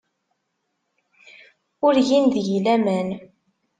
Ur gin deg-i laman.